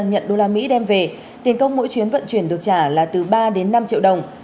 nhận usd đem về tiền công mỗi chuyến vận chuyển được trả là từ ba đến năm triệu đồng